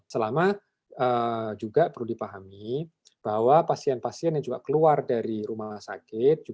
selama juga perlu dipahami bahwa pasien pasien yang juga keluar dari rumah sakit